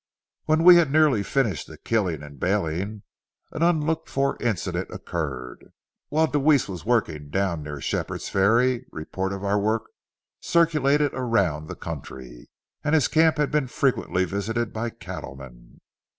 When we had nearly finished the killing and baling, an unlooked for incident occurred. While Deweese was working down near Shepherd's Ferry, report of our work circulated around the country, and his camp had been frequently visited by cattlemen.